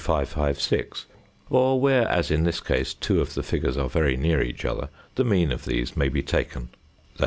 3556; or where, as in this case, two of the figures are very near each other the mean of these may be taken _i.